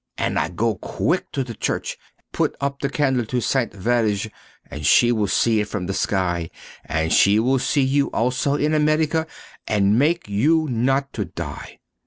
And I go quick to the church, and put up the candle to the Ste. Vierge, and she will see it from the sky, and she will see you also in Amerique and make you not to die, M.